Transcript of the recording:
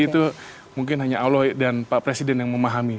itu mungkin hanya allah dan pak presiden yang memahami